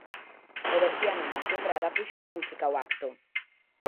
O berciano Amancio Prada púxolle música ao acto.